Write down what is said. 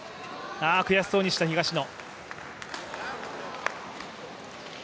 悔しそうにした東野。